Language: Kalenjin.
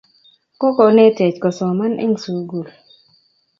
kokonetech kosoman eng' sukul.